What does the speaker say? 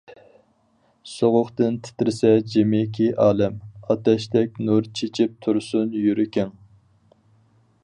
سوغۇقتىن تىترىسە جىمىكى ئالەم، ئاتەشتەك نۇر چېچىپ تۇرسۇن يۈرىكىڭ.